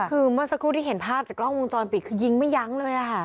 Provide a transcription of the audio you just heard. คือเมื่อสักครู่ที่เห็นภาพจากกล้องวงจรปิดคือยิงไม่ยั้งเลยค่ะ